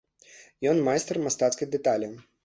Ён майстар мастацкай дэталі.